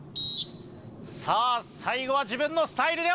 さあ最後は自分のスタイルを貫く。